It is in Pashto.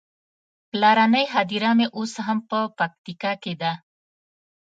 پلرنۍ هديره مې اوس هم په پکتيکا کې ده.